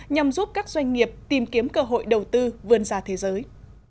nhằm giúp các doanh nghiệp tìm kiếm cơ hội đầu tư vươn ra thế giới